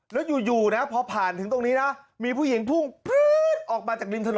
แล้วอยู่อยู่นะครับพอผ่านถึงตรงนี้นะมีผู้หญิงพุ่งออกมาจากริมถนนนะฮะ